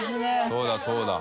そうだそうだ